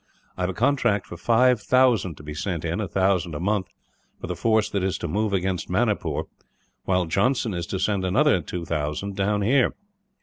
I have a contract for five thousand to be sent in, a thousand a month, for the force that is to move against Manipur; while Johnson is to send another two thousand down here.